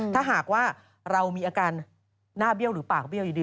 ถ้าหากว่าเรามีอาการหน้าเบี้ยวหรือปากเบี้ยอยู่ดี